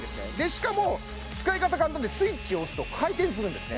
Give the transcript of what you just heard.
しかも使い方簡単でスイッチ押すと回転するんですね